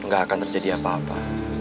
gak akan terjadi apa apa